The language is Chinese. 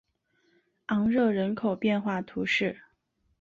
昂热人口变化图示